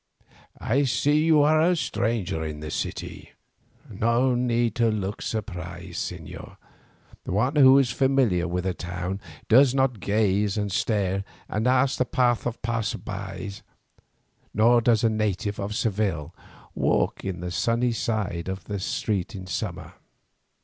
I see that you are a stranger in this city—no need to look surprised, señor, one who is familiar with a town does not gaze and stare and ask the path of passers by, nor does a native of Seville walk on the sunny side of the street in summer.